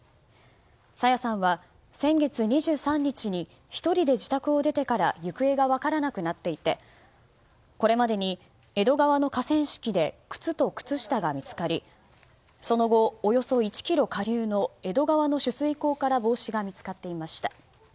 朝芽さんは先月２３日に１人で自宅を出てから行方が分からなくなっていてこれまでに江戸川の河川敷で靴と靴下が見つかりその後、およそ１ｋｍ下流の江戸川の取水口から帽子が見つかっていました。